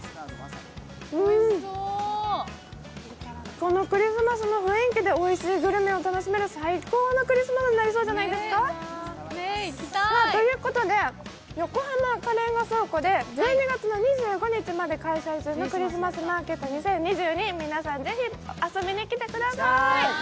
そのクリスマスの雰囲気でおいしいグルメを楽しめる最高のクリスマスになりそうじゃないですか？ということで横浜赤レンガ倉庫で１２月２５日まで開催するクリスマスマーケット２０２２、皆さん、ぜひ遊びに来てください。